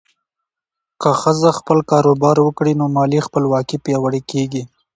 که ښځه خپل کاروبار وکړي، نو مالي خپلواکي پیاوړې کېږي.